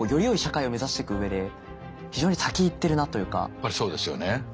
やっぱりそうですよね。